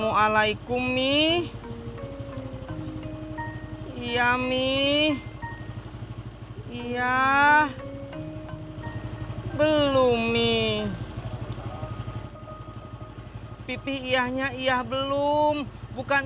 cekat cekat cekakak